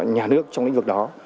nhà nước trong lĩnh vực đó